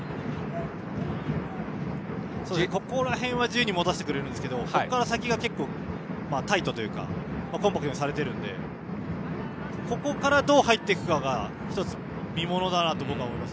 ここら辺は自由に持たせてくれるんですがその先がタイトというかコンパクトにされているので中盤からどう入っていくかが見ものだと思います。